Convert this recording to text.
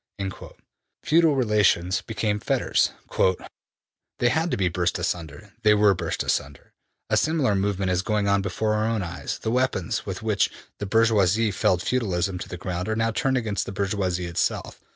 '' Feudal relations became fetters: ``They had to be burst asunder; they were burst asunder. ... A similar movement is going on before our own eyes.'' ``The weapons with which the bourgeoisie felled feudalism to the ground are now turned against the bourgeoisie itself.